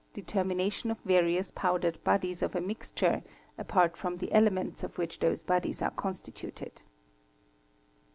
determi nation of various powdered bodies of a mixture, apart from the elements of which those bodies are constituted).